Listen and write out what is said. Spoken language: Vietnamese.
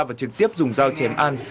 và trực tiếp dùng dao chém an